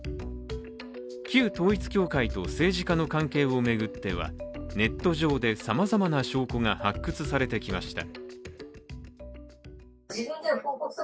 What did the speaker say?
旧統一教会と政治家の関係を巡ってはネット上でさまざまな証拠が発掘されてきました。